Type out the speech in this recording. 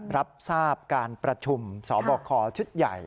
รับทราบการประชุมสบคชุดใหญ่